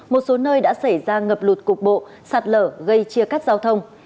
một số nơi đã xảy ra ngập lụt cục bộ sạt lở gây chia cắt giao thông